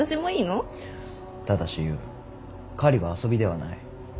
ただしゆう狩りは遊びではない。